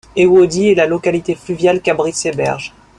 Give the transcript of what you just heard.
Ewodi est la localité fluviale qu'abritent ses berges.